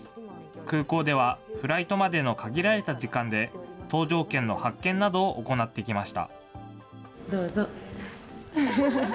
空港ではフライトまでの限られた時間で、搭乗券の発券などを行ってきました。